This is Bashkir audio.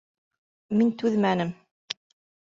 Мин түҙмәнем: